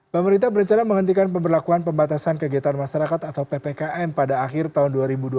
pemerintah berencana menghentikan pemberlakuan pembatasan kegiatan masyarakat atau ppkm pada akhir tahun dua ribu dua puluh